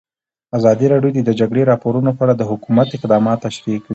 ازادي راډیو د د جګړې راپورونه په اړه د حکومت اقدامات تشریح کړي.